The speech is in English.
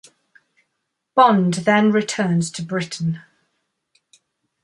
Bond then returns to Britain.